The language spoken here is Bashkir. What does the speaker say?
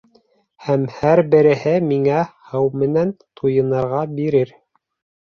Һәм һәр береһе миңә һыу менән туйынырға бирер...